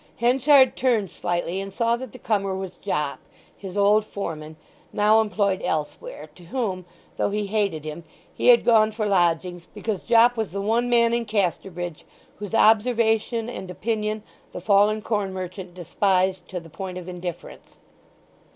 Henchard turned slightly and saw that the comer was Jopp, his old foreman, now employed elsewhere, to whom, though he hated him, he had gone for lodgings because Jopp was the one man in Casterbridge whose observation and opinion the fallen corn merchant despised to the point of indifference.